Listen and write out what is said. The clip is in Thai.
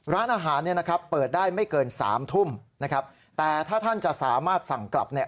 ร้านอาหารเปิดได้ไม่เกิน๓ทุ่มแต่ถ้าท่านจะสามารถสั่งกลับ